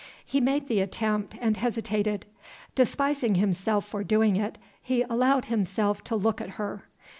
He made the attempt, and hesitated. Despising himself for doing it, he allowed himself to look at her.